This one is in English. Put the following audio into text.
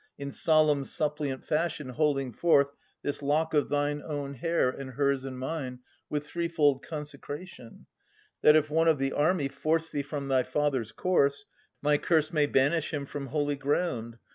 In solemn suppliant fashion holding forth This lock of thine own hair and hers and mine With threefold consecration, that if one Of the army force thee from thy father's corse, My curse may banish him from holy ground.